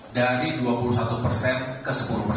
dari dua puluh satu ke sepuluh